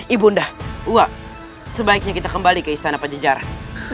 ibu undah uak sebaiknya kita kembali ke istana panjajaran